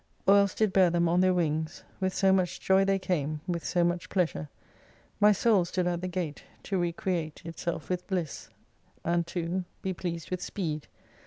Or else did bear them on their wings ; With so much joy they came, with so much pleasure. My soul stood at the gate To recreate Itself with bliss : and to Be pleased with speed.